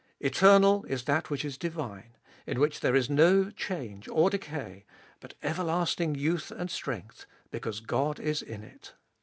Eternal is that which is divine, in which there is no change or decay, but everlasting youth and strength, because God is in it.